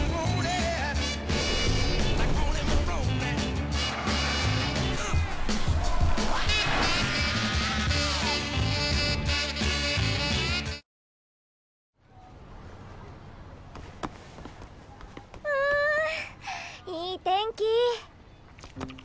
んいい天気！